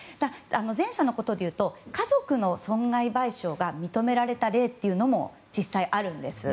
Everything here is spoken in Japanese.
前者のことでいうと家族の損害賠償が認められた例というのも実際あるんです。